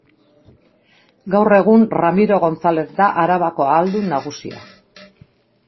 Gaur egun Ramiro Gonzalez da Arabako Ahaldun Nagusia.